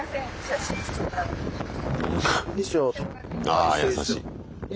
あ優しい。